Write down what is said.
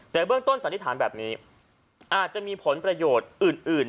แต่เบื้องต้นสันนิษฐานแบบนี้อาจจะมีผลประโยชน์อื่น